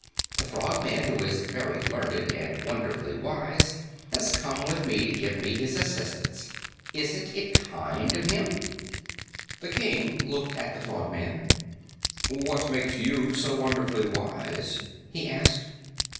The Frogman, who is very learned and wonderfully wise, has come with me to give me his assistance. Isn't it kind of him?" The King looked at the Frogman. "What makes you so wonderfully wise?" he asked.